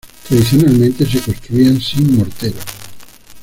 Tradicionalmente, se construían sin mortero.